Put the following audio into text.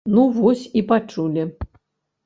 Ну, вось і пачулі.